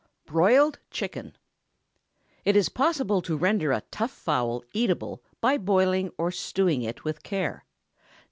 BROILED CHICKEN. It is possible to render a tough fowl eatable by boiling or stewing it with care.